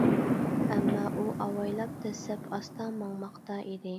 ئەمما ئۇ ئاۋايلاپ دەسسەپ ئاستا ماڭماقتا ئىدى.